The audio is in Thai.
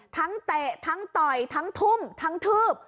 เตะทั้งต่อยทั้งทุ่มทั้งทืบ